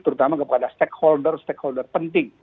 terutama kepada stakeholder stakeholder penting